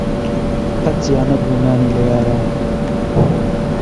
قەت جیا نەبوو نانی لە یاران